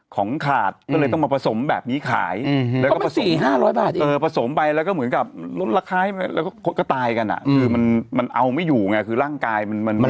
ของขาดก็เลยต้องมาผสมแบบนี้ขาย